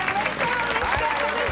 うれしかったです。